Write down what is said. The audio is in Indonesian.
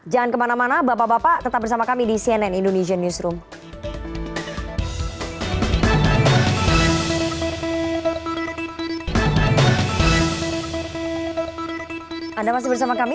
jangan kemana mana bapak bapak tetap bersama kami